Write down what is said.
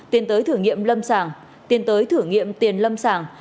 tiến tới thử nghiệm lâm sàng tiến tới thử nghiệm tiền lâm sàng